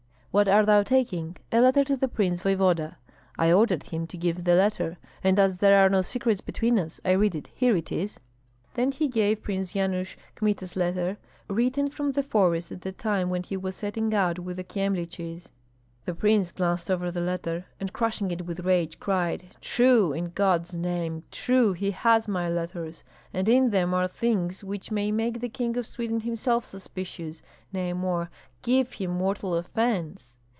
'What art thou taking?' 'A letter to the prince voevoda.' I ordered him to give the letter, and as there are no secrets between us I read it. Here it is!" Then he gave Prince Yanush Kmita's letter, written from the forest at the time when he was setting out with the Kyemliches. The prince glanced over the letter, and crushing it with rage, cried, "True! in God's name, true! He has my letters, and in them are things which may make the King of Sweden himself suspicious, nay more, give him mortal offence."